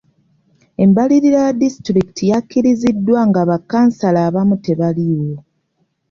Embalirira ya disitulikiti yakkiriziddwa nga bakansala abamu tebaliiwo.